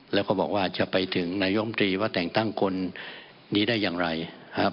แล้วก็บอกว่าจะไปถึงนายมตรีว่าแต่งตั้งคนนี้ได้อย่างไรนะครับ